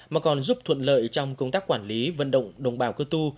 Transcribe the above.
mà còn giúp thuận lợi trong công tác quản lý vận động đồng bào cơ tu